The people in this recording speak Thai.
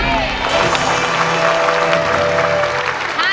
ไม่ใช้